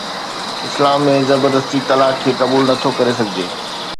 اسلام ۾ زبردستي طلاق کي قبول نٿو ڪري سگهجي